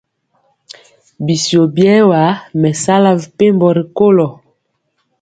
Ɓisio ɓiɛwa me sala mɛpembo rikolo.